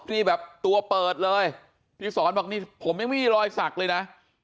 นี่แบบตัวเปิดเลยพี่สอนบอกนี่ผมยังไม่มีรอยสักเลยนะ